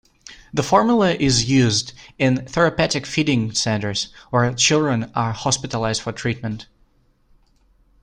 The formula is used in therapeutic feeding centres where children are hospitalized for treatment.